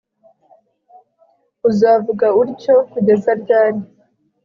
uzavuga utyo kugeza ryari